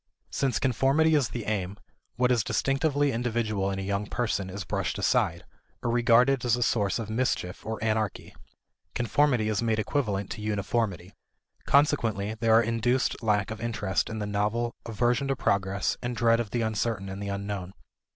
Since conformity is the aim, what is distinctively individual in a young person is brushed aside, or regarded as a source of mischief or anarchy. Conformity is made equivalent to uniformity. Consequently, there are induced lack of interest in the novel, aversion to progress, and dread of the uncertain and the unknown.